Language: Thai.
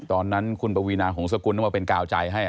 ตอนนั้นคุณปวีนาหงษกุลต้องมาเป็นกาวใจให้